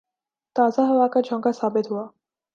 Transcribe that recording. تازہ ہوا کا جھونکا ثابت ہوا